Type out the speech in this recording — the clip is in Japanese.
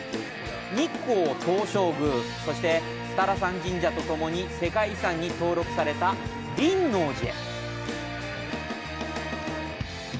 日光東照宮、二荒山神社とともに世界遺産に登録された輪王寺へ。